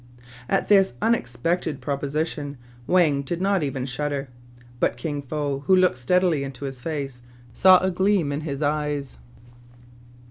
At this unexpected proposition, Wang did not even shudder. But Kin Fo, who looked steadily into his face, saw a gleam in his eyes.